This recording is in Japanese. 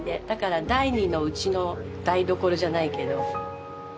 だから第２のうちの台所じゃないけど。